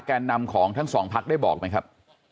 นำของทั้งสองพักได้บอกไหมครับ